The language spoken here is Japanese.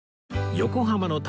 横浜の旅。